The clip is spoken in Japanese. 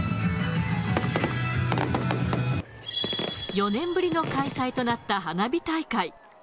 ４年ぶりの開催となった花火大会。